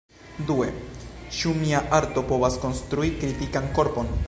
Due: Ĉu mia arto povas konstrui "kritikan korpon"?